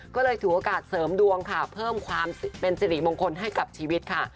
ก็เลยถือโอกาสเสริมดวงค่ะเพิ่มความเป็นสิริมงคลให้กับชีวิตค่ะ